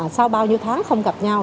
sau bao nhiêu tháng không gặp nhau